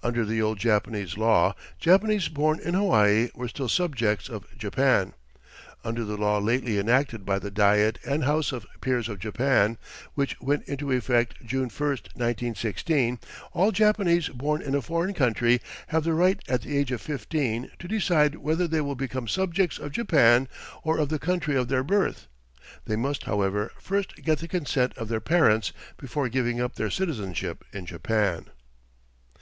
Under the old Japanese law Japanese born in Hawaii were still subjects of Japan. Under the law lately enacted by the Diet and House of Peers of Japan, which went into effect June 1, 1916, all Japanese born in a foreign country have the right at the age of fifteen to decide whether they will become subjects of Japan or of the country of their birth; they must, however, first get the consent of their parents before giving up their citizenship in Japan.